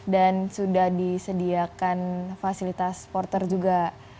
dan sudah disediakan fasilitas porter juga